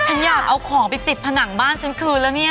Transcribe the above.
ฉันอยากเอาของไปติดผนังบ้านฉันคืนแล้วเนี่ย